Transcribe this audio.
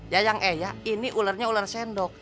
yayang eya ini ularnya ular sendok